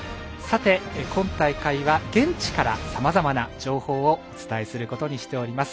今大会は現地からさまざまな情報をお伝えすることにしております。